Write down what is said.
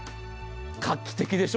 画期的でしょ？